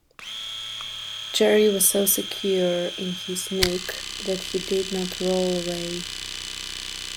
Jerry was so secure in his nook that he did not roll away.